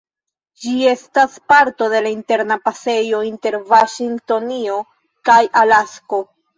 Ĝi estas parto de la Interna Pasejo inter Vaŝingtonio kaj Alasko.